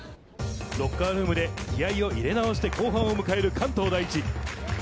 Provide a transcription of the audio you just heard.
ロッカールームで気合いを入れ直して後半を迎える関東第一。